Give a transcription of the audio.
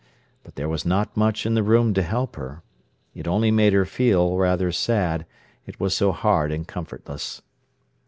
But there was not much in the room to help her. It only made her feel rather sad, it was so hard and comfortless.